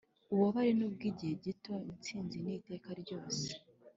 ububabare ni ubw'igihe gito, intsinzi ni iy'iteka ryose